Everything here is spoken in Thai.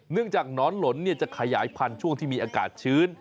จากหนอนหลนจะขยายพันธุ์ช่วงที่มีอากาศชื้น